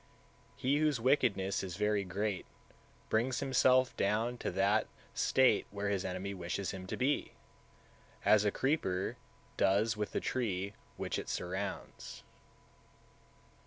162. He whose wickedness is very great brings himself down to that state where his enemy wishes him to be, as a creeper does with the tree which it surrounds.